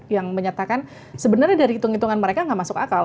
yang menyatakan sebenarnya dari hitung hitungan mereka nggak masuk akal